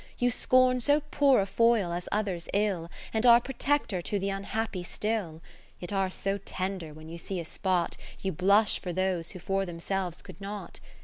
You scorn so poor a foil as others' ill. And are protector to th' unhappy still ; Yet are so tender when you see a spot, You blush for those who for them selves could not.